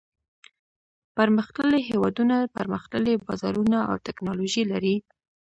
پرمختللي هېوادونه پرمختللي بازارونه او تکنالوجي لري.